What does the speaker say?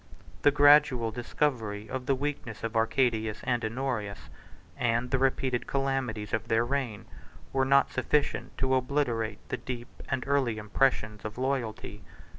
The gradual discovery of the weakness of Arcadius and Honorius, and the repeated calamities of their reign, were not sufficient to obliterate the deep and early impressions of loyalty.